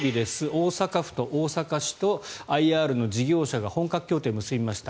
大阪府と大阪市とＩＲの事業者が本格協定を結びました。